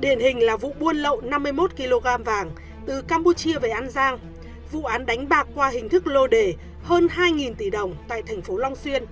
điển hình là vụ buôn lậu năm mươi một kg vàng từ campuchia về an giang vụ án đánh bạc qua hình thức lô đề hơn hai tỷ đồng tại thành phố long xuyên